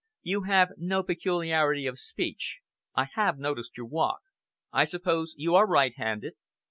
"You have no peculiarity of speech? I have noticed your walk. I suppose you are right handed?